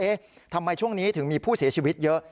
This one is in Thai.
ทำไมช่วงนี้ถึงมีผู้เสียชีวิตเยอะ